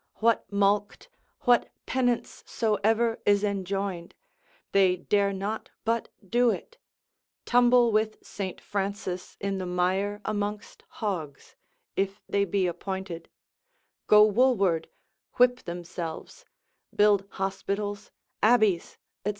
What mulct, what penance soever is enjoined, they dare not but do it, tumble with St. Francis in the mire amongst hogs, if they be appointed, go woolward, whip themselves, build hospitals, abbeys, &c.